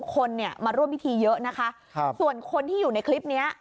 คนเนี่ยมาร่วมพิธีเยอะนะคะส่วนคนที่อยู่ในคลิปนี้